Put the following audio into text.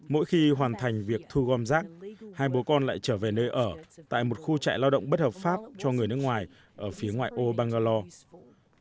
mỗi khi hoàn thành việc thu gom rác hai bố con lại trở về nơi ở tại một khu trại lao động bất hợp pháp cho người nước ngoài ở phía ngoại ô bangalore